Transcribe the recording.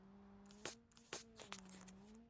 asili yao ni nchi za Rwanda Burundi Uganda na Sudan